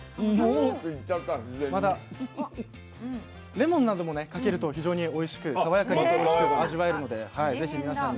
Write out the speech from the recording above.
レモンなどもねかけると非常においしく爽やかに味わえるのではい是非皆さんに。